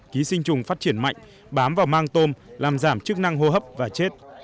ký sinh trùng phát triển mạnh bám vào mang tôm làm giảm chức năng hô hấp và chết